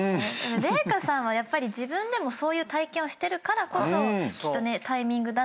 麗華さんはやっぱり自分でもそういう体験をしてるからこそきっとねタイミングだったり